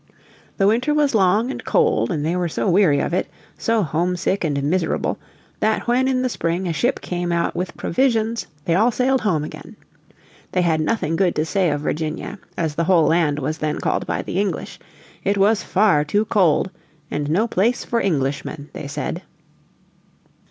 The winter was long and cold, and they were so weary of it, so homesick and miserable, that when in the spring a ship came out with provisions they all sailed home again. They had nothing good to say of Virginia, as the whole land was then called by the English. It was far too cold, and no place for Englishmen, they said.